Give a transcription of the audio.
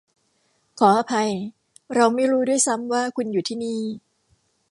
ขออภัยเราไม่รู้ด้วยซ้ำว่าคุณอยู่ที่นี่